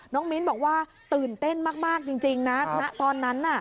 มิ้นบอกว่าตื่นเต้นมากจริงนะณตอนนั้นน่ะ